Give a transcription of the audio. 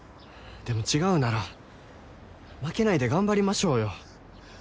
でも違うなら負けないで頑張りましょうよ。